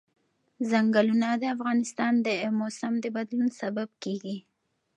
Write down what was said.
چنګلونه د افغانستان د موسم د بدلون سبب کېږي.